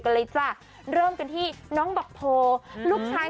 เลยจ้ะเริ่มกันที่น้องบอกโพลูกชาย